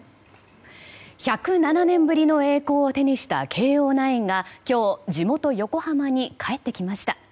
１０７年ぶりの栄光を手にした慶応ナインが今日地元・横浜に帰ってきました。